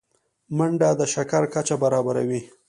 منډه د شکر کچه برابروي